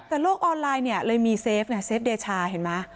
แต่โลกออนไลน์เลยมีเซฟเซฟเดชาเห็นมั้ย